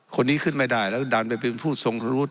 คนนี้ขึ้นไม่ได้แล้วดันไปเป็นผู้ทรงรู้